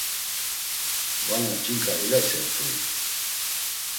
Vana ç̌inǩa ilasert̆ui?